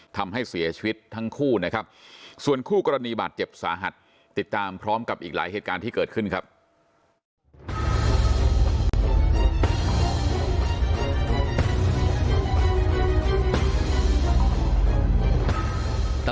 ทำให้เสียชีวิตทั้งคู่นะครับส่วนคู่กรณีบาดเจ็บสาหัส